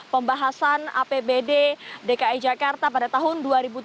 pembahasan apbd dki jakarta pada tahun dua ribu tujuh belas